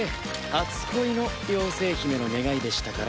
初恋の妖精姫の願いでしたから。